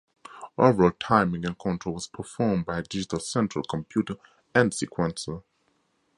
Overall timing and control was performed by a digital Central Computer and Sequencer.